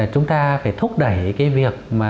chúng ta phải thúc đẩy cái việc